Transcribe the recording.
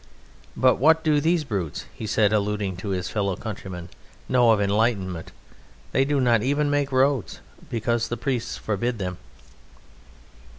"But what do these brutes," he said, alluding to his fellow countrymen, "know of enlightenment? They do not even make roads, because the priests forbid them."